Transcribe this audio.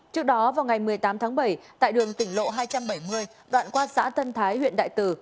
trước đó vào ngày một mươi tám tháng bảy tại đường tỉnh lộ hai trăm bảy mươi đoạn qua xã tân thái huyện đại từ